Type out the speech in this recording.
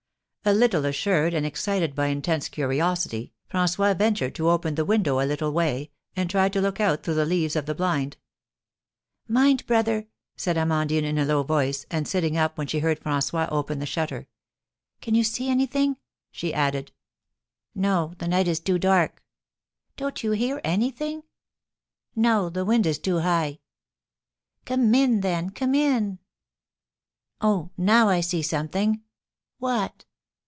A little assured, and excited by intense curiosity, François ventured to open the window a little way, and tried to look out through the leaves of the blind. "Mind, brother!" said Amandine, in a low voice, and sitting up when she heard François open the shutter. "Can you see anything?" she added. "No, the night is too dark." "Don't you hear anything?" "No, the wind is too high." "Come in, then; come in." "Oh, now I see something!" "What?"